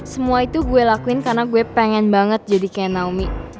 semua itu gue lakuin karena gue pengen banget jadi kayak naomi